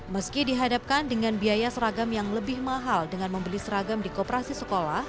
meski dihadapkan dengan biaya seragam yang lebih mahal dengan membeli seragam di koperasi sekolah